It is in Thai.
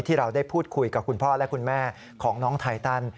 ที่เราได้พูดคุยกับคุณพ่อและคุณแม่ของน้องไทตัน